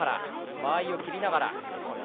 間合いを切りながら。